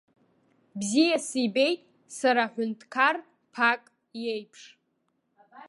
Бзиа сибеит сара аҳәынҭқар, ԥак иеиԥш.